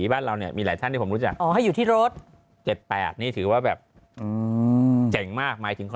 ฉันจะทำบุญมาให้เกิดเธอรับไว้